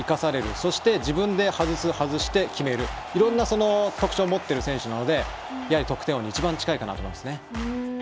そして自分で外して決める、いろんな特徴を持っている選手なのでやはり得点王にいちばん近いかなと思いますね。